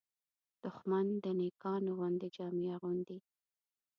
دښمن د نېکانو غوندې جامې اغوندي